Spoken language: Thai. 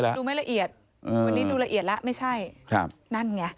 วันนี้ดูไม่ละเอียดวันนี้ดูละเอียดแล้วไม่ใช่นั่นไง